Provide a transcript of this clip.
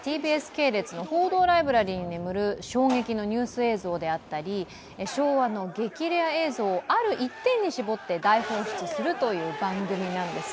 ＴＢＳ系列の報道ライブラリーに眠る衝撃のニュース映像であったり昭和の激レア映像をある一点に絞って大放出するという番組なんです。